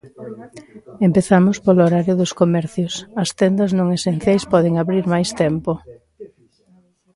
Empezamos polo horario dos comercios: as tendas non esenciais poden abrir máis tempo.